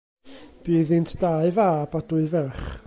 Bu iddynt dau fab a dwy ferch.